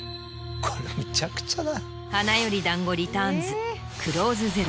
これむちゃくちゃだ。